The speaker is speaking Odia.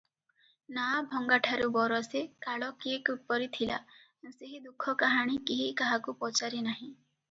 ନାଆ ଭଙ୍ଗାଠାରୁ ବରଷେ କାଳ କିଏ କିପରି ଥିଲା, ସେହି ଦୁଃଖକାହାଣୀ କେହି କାହାକୁ ପଚାରି ନାହିଁ ।